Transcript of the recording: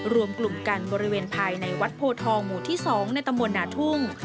รวมกลุ่มกันบริเวณภายในวัดโพทองหมู่ที่๒ในตำบลนาทุ่ง